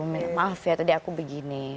maaf ya tadi aku begini